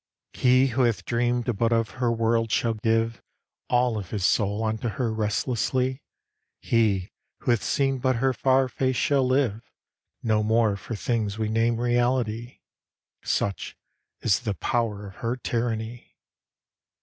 He who hath dreamed but of her world shall give All of his soul unto her restlessly: He who hath seen but her far face shall live No more for things we name reality: Such is the power of her tyranny.